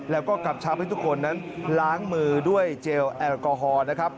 แล้วก็กำชับให้ทุกคนนั้นล้างมือด้วยเจลแอลกอฮอล์นะครับ